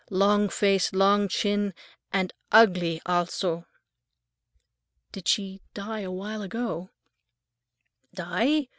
Long face, long chin, and ugly al so." "Did she die a long while ago?" "Die?